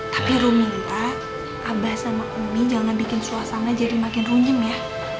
tapi ru minta abah sama umi jangan bikin suasana jadi makin runyem ya